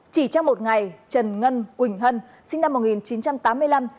chỉ trong một ngày trần ngân quỳnh hân sinh năm một nghìn chín trăm tám mươi năm